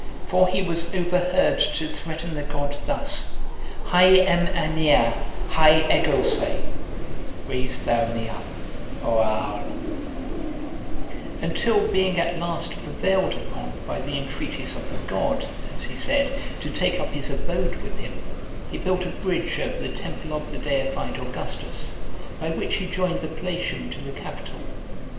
For he was overheard to threaten the god thus: Hae em' anaeir', hae ego se; Raise thou me up, or I'll (267) until being at last prevailed upon by the entreaties of the god, as he said, to take up his abode with him, he built a bridge over the temple of the Deified Augustus, by which he joined the Palatium to the Capitol.